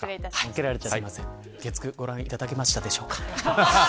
月９、ご覧いただけましたでしょうか。